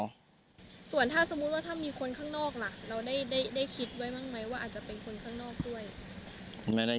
ส่วนถ้าสมมุติว่าถ้ามีคนข้างนอกล่ะเราได้คิดไว้บ้างไหมว่าอาจจะเป็นคนข้างนอกด้วย